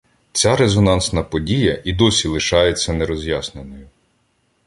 Ця резонансна подія і досі лишається нероз'ясненою